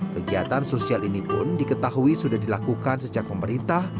kegiatan sosial ini pun diketahui sudah dilakukan sejak pemerintah